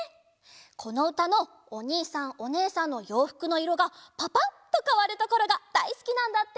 このうたのおにいさんおねえさんのようふくのいろがパパッとかわるところがだいすきなんだって。